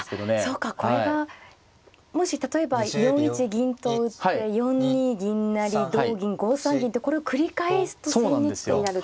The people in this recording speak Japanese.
そうかこれはもし例えば４一銀と打って４二銀成同銀５三銀ってこれを繰り返すと千日手になると。